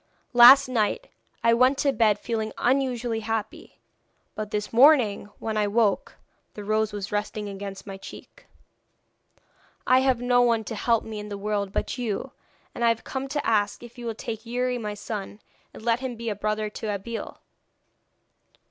Last night I went to bed feeling unusually happy, but this morning when I woke the rose was resting against my cheek. I have no one to help me in the world but you, and I have come to ask if you will take Youri my son, and let him be a brother to Abeille?'